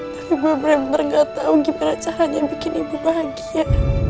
tapi gue bener bener gak tahu gimana caranya bikin ibu bahagia